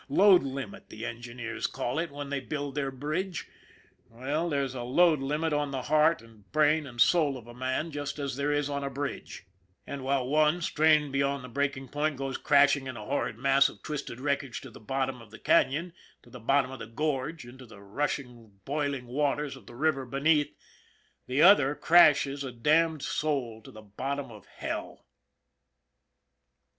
Load limit, the engineers call it when they build their bridge. Well, there's a load limit on the heart and brain and soul of a man just as there is on a bridge; and while one, strained beyond the breaking point, goes crashing in a horrid mass of twisted wreck age to the bottom of the canon, to the bottom of the gorge, into the rushing, boiling waters of the river beneath, the other crashes, a damned soul, to the bottom of hell.